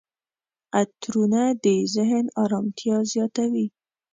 عطرونه د ذهن آرامتیا زیاتوي.